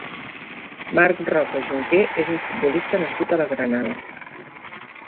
Marc Roca Junqué és un futbolista nascut a la Granada.